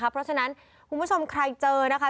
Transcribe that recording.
เพราะฉะนั้นคุณผู้ชมใครเจอนะคะ